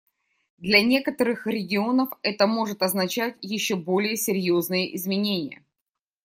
Для некоторых регионов это может означать еще более серьезные изменения.